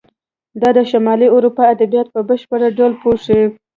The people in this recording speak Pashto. دا د شمالي اروپا ادبیات په بشپړ ډول پوښي.